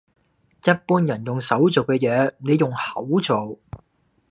一般人用手做嘅嘢，你用口做